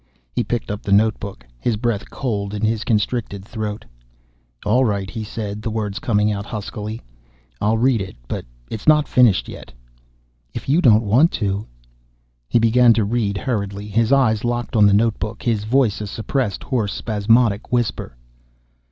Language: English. He picked up the notebook, his breath cold in his constricted throat. "All right," he said, the words coming out huskily, "I'll read it. But it's not finished yet." "If you don't want to "He began to read hurriedly, his eyes locked on the notebook, his voice a suppressed hoarse, spasmodic whisper.